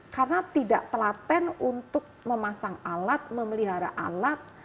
karena tidak telaten untuk memasang alat memelihara alat